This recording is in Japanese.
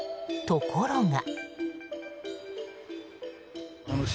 ところが。